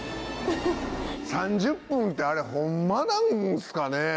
３０分ってあれホンマなんすかね？